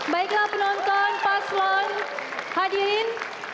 baiklah penonton paslon hadirin